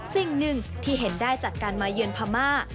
สิ่งหนึ่งที่เห็นได้จากการมาเยือนพม่า